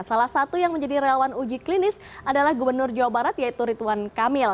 salah satu yang menjadi relawan uji klinis adalah gubernur jawa barat yaitu rituan kamil